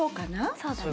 そうだね。